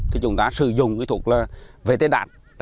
thì chúng ta sử dụng kỹ thuật là vệ tế đạt